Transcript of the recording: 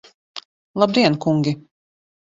Labdien, kungi!